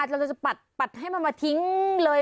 เราจะปัดให้มันมาทิ้งเลย